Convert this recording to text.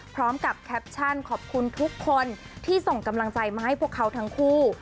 แคปชั่นขอบคุณทุกคนที่ส่งกำลังใจมาให้พวกเขาทั้งคู่